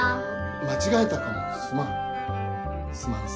間違えたかもすまんすまんす。